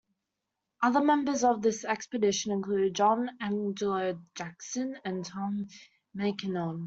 Other members of this expedition included John Angelo Jackson and Tom Mackinon.